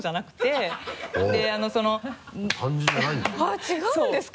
違うんですか！？